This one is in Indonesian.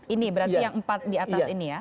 ini berarti yang empat di atas ini ya